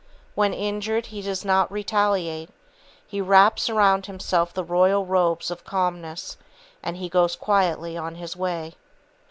When injured, he does not retaliate; he wraps around him the royal robes of Calmness, and he goes quietly on his way.